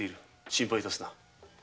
心配致すな。